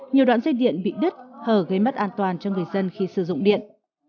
nhiều đoạn dây điện bị đứt hở gây mất an toàn cho người dân khi sử dụng điện